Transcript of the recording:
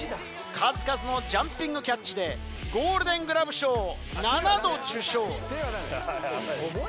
数々のジャンピングキャッチでゴールデングラブ賞７度受賞。